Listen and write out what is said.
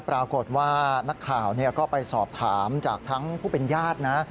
ปรากฏว่านักข่าวก็ไปสอบถามจากทั้งผู้เป็นญาตินะ